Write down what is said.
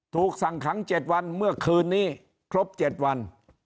ถูกสั่งขังเจ็ดวันเมื่อคืนนี้ครบเจ็ดวัน